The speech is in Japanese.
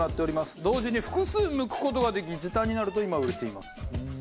同時に複数むく事ができ時短になると今売れています。